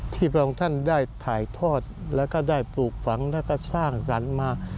พระองค์ท่านได้ถ่ายทอดแล้วก็ได้ปลูกฝังแล้วก็สร้างสรรค์มา